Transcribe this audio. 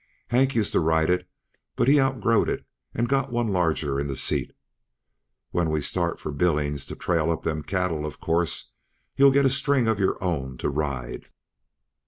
Hank used to ride it, but he out growed it and got one longer in the seat. When we start for Billings to trail up them cattle, of course you'll get a string of your own to ride."